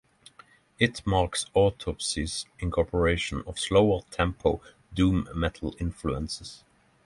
It marks Autopsy's incorporation of slower-tempo doom metal influences.